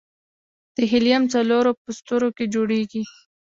د هیلیم څلور په ستورو کې جوړېږي.